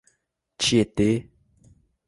Tietê